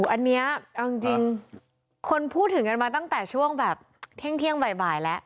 อันนี้เอาจริงคนพูดถึงกันมาตั้งแต่ช่วงแบบเที่ยงบ่ายแล้ว